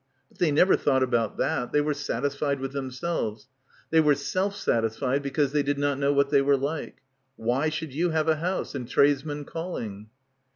But they never thought about that. They were satisfied with themselves. They were self satis fied because they did not know what they were like. ... Why should you have a house, and tradesmen calling?